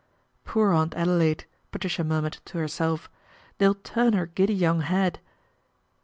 Poor Aunt Adelaide," Patricia murmured to If, " they'll turn her giddy young head."